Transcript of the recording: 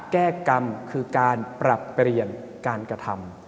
แก้กรรมคือการปรับเปลี่ยนการกระทำ